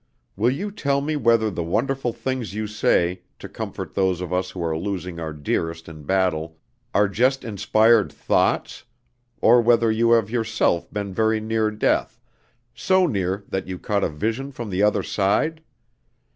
Will you tell me whether the wonderful things you say, to comfort those of us who are losing our dearest in battle, are just inspired thoughts, or whether you have yourself been very near death, so near that you caught a vision from the other side?